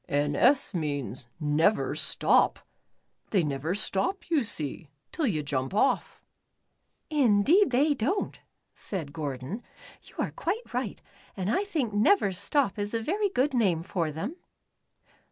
"' N. S.' means Never Stop. They never stop, you see, till you jump off." "Indeed they don't," said Gordon, "you are quite right, and I think ' Never Stop ' is a very good name for them."